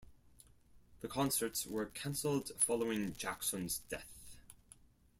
The concerts were cancelled following Jackson's death.